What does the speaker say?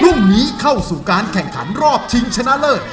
พรุ่งนี้เข้าสู่การแข่งขันรอบชิงชนะเลิศ